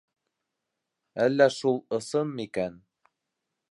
Әллә шул ысын микән?